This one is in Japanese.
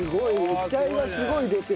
液体がすごい出てる。